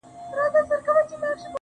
تر سلو زرو پوري رسيږي